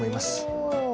お。